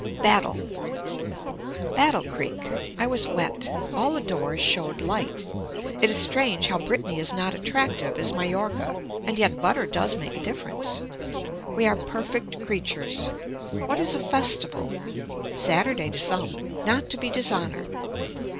BATTLE Battle creek. I was wet. All the doors showed light. It is strange how Brittany is not attractive as Mallorca and yet butter does make a difference. We are perfect creatures. What is a festival. Saturday to some. Not to be dishonored.